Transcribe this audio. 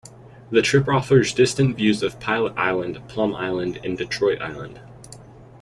The trip offers distant views of Pilot Island, Plum Island and Detroit Island.